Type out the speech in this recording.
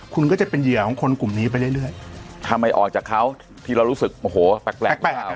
คุณก็จะเป็นเหยื่อของคนกลุ่มนี้ไปเรื่อยทำไมออกจากเขาที่เรารู้สึกโอ้โหแปลกแปลก